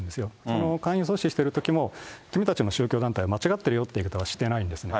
その勧誘を阻止してるときも、君たちの宗教団体は間違ってるよっていう言い方はしてないんですね。